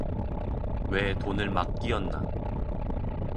왜 돈을 막 끼얹나.